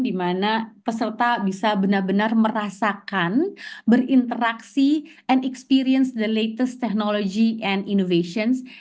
dimana peserta bisa benar benar merasakan berinteraksi dan mengalami teknologi dan inovasi terbaru